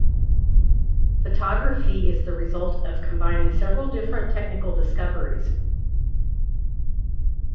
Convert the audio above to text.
Photography is the result of combining several different technical discoveries.